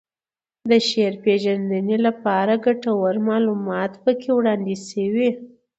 د شعر پېژندنې لپاره ګټور معلومات پکې وړاندې شوي